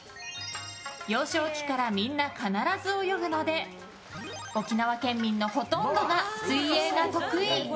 幼少期からみんな必ず泳ぐので沖縄県民のほとんどが水泳が得意。